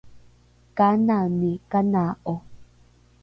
kanani kanaa’o?